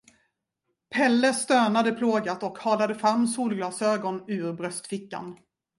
Pelle stönade plågat och halade fram solglasögon ur bröstfickan.